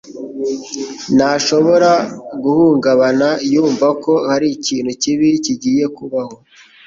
ntashobora guhungabana yumva ko hari ikintu kibi kigiye kubaho.